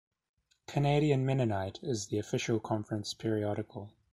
"Canadian Mennonite" is the official conference periodical.